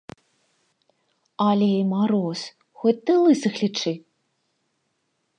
Але і мароз, хоць ты лысых лічы!